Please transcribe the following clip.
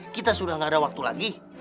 kita sudah tidak ada waktu lagi